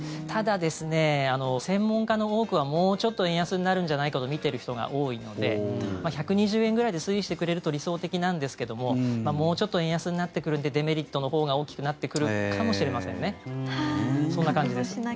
ただ、専門家の多くはもうちょっと円安になるんじゃないかと見ている人が多いので１２０円ぐらいで推移してくれると理想的なんですけどももうちょっと円安になってくるのでデメリットのほうが大きくなってくるかもしれませんそんな感じです。